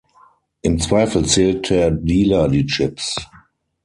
Im Zweifel zählt der Dealer die Chips.